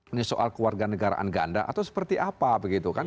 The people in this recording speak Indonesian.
ini soal keluarga negaraan ganda atau seperti apa begitu kan